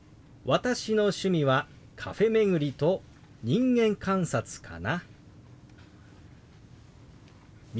私の趣味はカフェ巡りと人間観察かな。